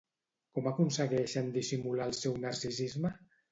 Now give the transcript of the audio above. Com aconsegueixen dissimular el seu narcisisme?